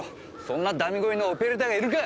そんなダミ声のオペレーターがいるか！